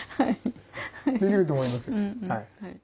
できると思いますよ。